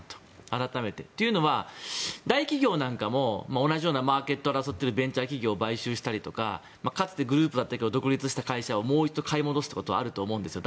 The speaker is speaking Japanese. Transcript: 改めて。というのは大企業なんかも同じようなマーケットで争ってるベンチャー企業を買収したりだとかかつてグループだったけど独立した会社をもう一度買い戻すことってあると思うんですよ。